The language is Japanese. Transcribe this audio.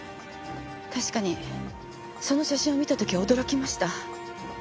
確かにその写真を見た時は驚きました。